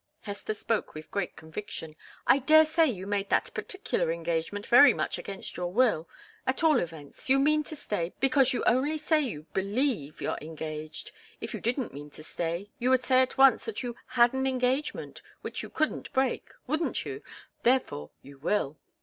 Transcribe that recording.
Hester spoke with great conviction. "I daresay you made that particular engagement very much against your will. At all events, you mean to stay, because you only say you 'believe' you're engaged. If you didn't mean to stay, you would say at once that you 'had' an engagement which you couldn't break. Wouldn't you? Therefore you will."